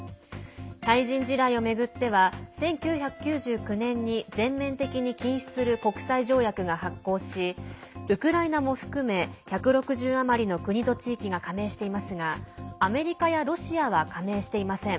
対人地雷を巡っては１９９９年に全面的に禁止する国際条約が発効しウクライナも含め、１６０余りの国と地域が加盟していますがアメリカやロシアは加盟していません。